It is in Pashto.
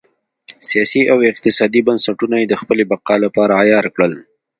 سیاسي او اقتصادي بنسټونه یې د خپلې بقا لپاره عیار کړل.